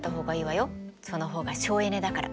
その方が省エネだから。